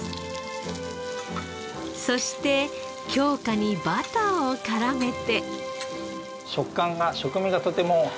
そして京香にバターを絡めて。